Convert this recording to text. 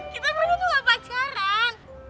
kita pernah juga pacaran